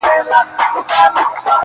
• او همدغه موزونیت دی ,